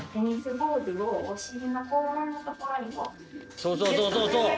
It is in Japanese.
そうそうそうそうそう！